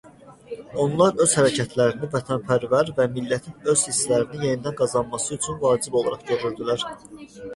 Onlar öz hərəkətlərini "vətənpərvər" və "millətin öz hisslərini yenidən qazanması üçün vacib" olaraq görürdülər.